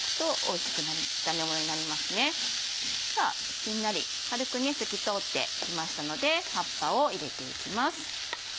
しんなり軽く透き通ってきましたので葉っぱを入れていきます。